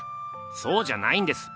そうじゃないんです。